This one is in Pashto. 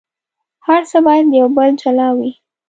هر څه باید له یو بل جلا وي.